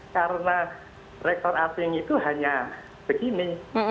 karena rektor asing itu hanya begini